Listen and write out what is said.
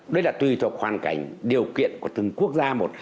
đấy là tùy thuộc hoàn cảnh điều kiện của từng quốc gia một